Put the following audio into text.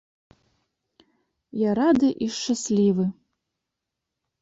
Я рады і шчаслівы.